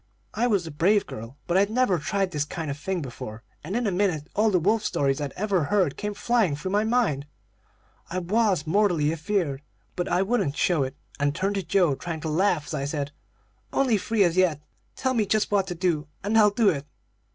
I was a brave girl, but I'd never tried this kind of thing before, and in a minute all the wolf stories I'd ever heard came flying through my mind. I was mortally afeard, but I wouldn't show it, and turned to Joe, trying to laugh as I said: 'Only three as yet. Tell me just what to do, and I'll do it.'